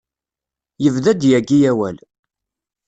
Yebda-d yagi awal.